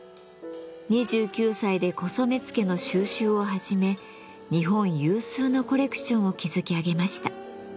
２９歳で古染付の蒐集を始め日本有数のコレクションを築き上げました。